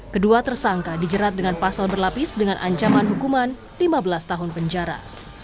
kedua tersangka dijerat dengan pasal berlapis dengan ancaman hukuman lima belas tahun penjara